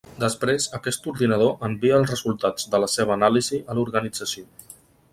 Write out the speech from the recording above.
Després, aquest ordinador envia els resultats de la seva anàlisi a l'organització.